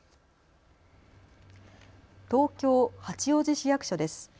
東京・八王子市役所です。